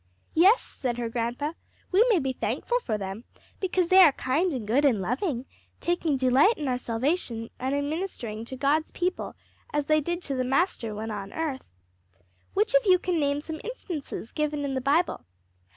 "Yes," said her grandpa, "we may be thankful for them, because they are kind and good and loving, taking delight in our salvation and in ministering to God's people, as they did to the Master when on earth. Which of you can name some instances given in the Bible?"